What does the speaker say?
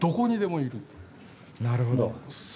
なるほど。